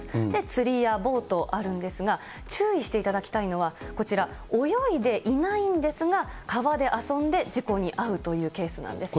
釣りやボート、あるんですが、注意していただきたいのは、こちら、泳いでいないんですが、川で遊んで事故に遭うというケースなんです。